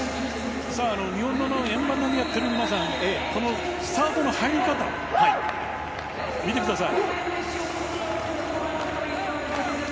日本の円盤投げをやっている皆さん、スタールの入り方、見てください。